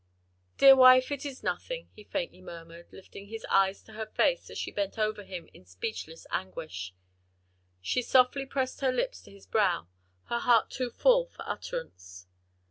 "Dear wife, it is nothing," he faintly murmured, lifting his eyes to her face as she bent over him in speechless anguish. She softly pressed her lips to his brow, her heart too full for utterance.